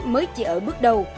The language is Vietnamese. nó chỉ ở bước đầu